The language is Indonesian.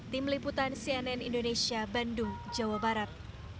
tim liputan cnn indonesia bandung jawa barat